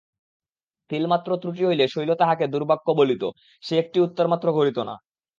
তিলমাত্র ত্রুটি হইলে শৈল তাহাকে দুর্বাক্য বলিত, সে একটি উত্তরমাত্র করিত না।